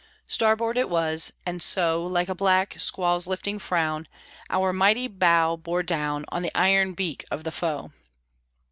_" Starboard it was, and so, Like a black squall's lifting frown, Our mighty bow bore down On the iron beak of the Foe.